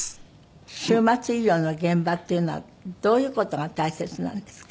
終末医療の現場っていうのはどういう事が大切なんですか？